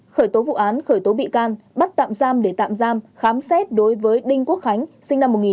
khởi tố vụ án khởi tố bị can bắt tạm giam để tạm giam khám xét đối với đinh quốc khánh sinh năm một nghìn chín trăm tám mươi